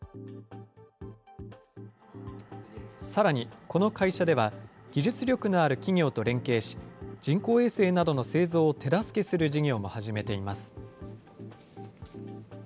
さらにこの会社では、技術力のある企業と連携し、人工衛星などの製造を手助けする事業も始めています。